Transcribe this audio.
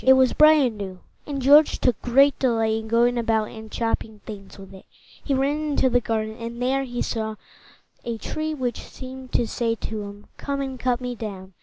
It was bright and new, and George took great delight in going about and chopping things with it. He ran into the garden, and there he saw a tree which seemed to say to him, "Come and cut me down!"